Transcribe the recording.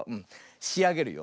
しあげるよ。